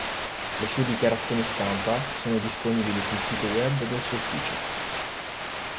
Le sue dichiarazioni stampa sono disponibili sul sito web del suo ufficio.